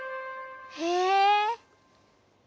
へえ。